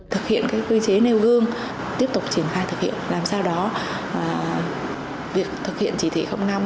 thực hiện quy chế nêu gương tiếp tục triển khai thực hiện làm sao đó việc thực hiện chỉ thị năm